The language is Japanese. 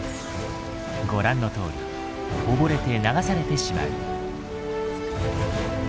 ご覧のとおり溺れて流されてしまう。